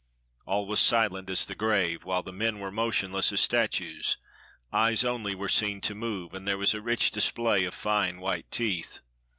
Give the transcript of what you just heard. All was silent as the grave, while the men were motionless as statues; eyes only were seen to move, and there was a rich display of fine white teeth.